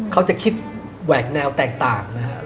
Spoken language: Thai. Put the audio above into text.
เขาจะคิดแหวกแนวแตกต่างนะครับ